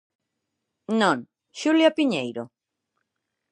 Non, Xulia Piñeiro?